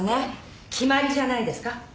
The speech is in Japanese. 決まりじゃないですか。